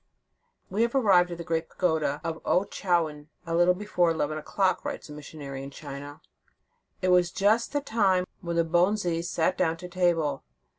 " We arrived at the great pagoda of Ouen chou yuen, a little before eleven o clock," writes a missionary in China. "It was just the time when the bonzes sat down to table.